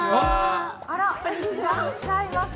あらいらっしゃいませ。